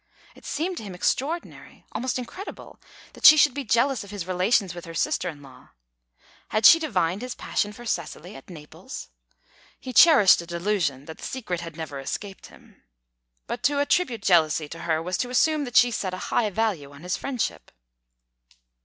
It seemed to him extraordinary, almost incredible, that she should be jealous of his relations with her sister in law. Had she divined his passion for Cecily at Naples? (He cherished a delusion that the secret had never escaped him.) But to attribute jealousy to her was to assume that she set a high value on his friendship.